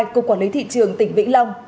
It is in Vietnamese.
công quản lý thị trường tỉnh vĩnh long